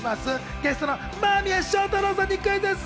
ゲストの間宮祥太朗さんにクイズッス。